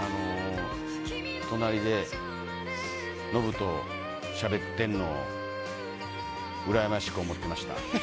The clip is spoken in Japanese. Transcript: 隣でノブとしゃべってんのを羨ましく思ってました。